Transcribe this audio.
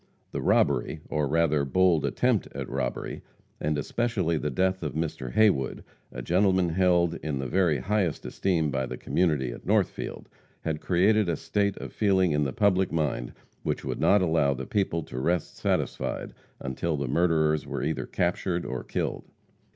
The robbery, or rather, bold attempt at robbery, and especially the death of Mr. Haywood, a gentleman held in the very highest esteem by the community at Northfield, had created a state of feeling in the public mind which would not allow the people to rest satisfied until the murderers were either captured or killed.